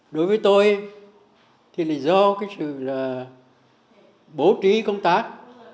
đối với tôi thì là do cái sự bố trí công tác